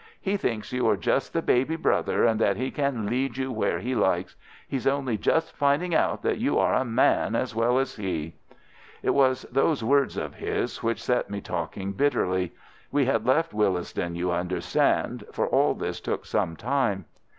He thinks you are just the baby brother and that he can lead you where he likes. He's only just finding out that you are a man as well as he.' "It was those words of his which set me talking bitterly. We had left Willesden, you understand, for all this took some time.